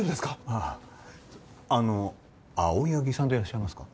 あああの青柳さんでいらっしゃいますか？